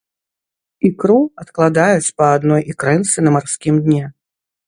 Ікру адкладаюць па адной ікрынцы на марскім дне.